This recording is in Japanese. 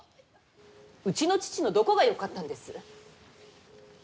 うちの父のどこがよかったんです。